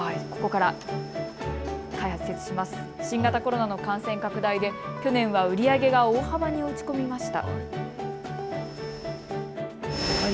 新型コロナの感染拡大で去年は売り上げが大幅に落ち込みました。